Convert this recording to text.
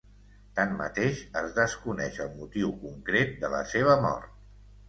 Tanmateix, es desconeix el motiu concret de la seva mort.